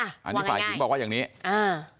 อ่ะอันนี้ฝ่ายก็บอกว่าอย่างนี้อ่า